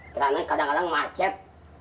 karena kadang kadang macet